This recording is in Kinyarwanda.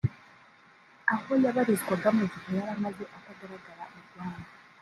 aho yabarizwaga mu gihe yari amaze atagaragara mu Rwanda